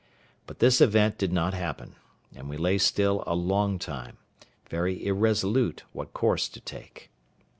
But this event did not happen; and we lay still a long time, very irresolute what course to take.